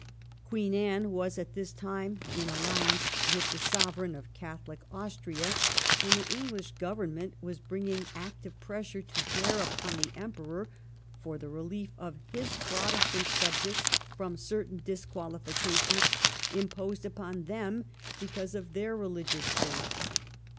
Queen Anne was at this time in alliance with the Sovereign of Catholic Austria, and the English Government was bringing active pressure to bear upon the Emperor for the relief of his Protestant subjects from certain disqualifications imposed upon them because of their religious faith.